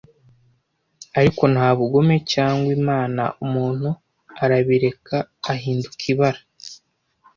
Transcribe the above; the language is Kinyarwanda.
ariko nta bugome cyangwa imana umuntu arabireba ahinduka ibara